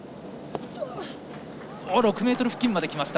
６ｍ付近まできました。